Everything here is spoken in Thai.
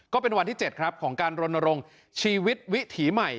ก็เป็นวันที่๗ครับของการรณรงค์ชีวิตวิถีใหม่